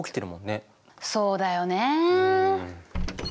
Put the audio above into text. そうだよね。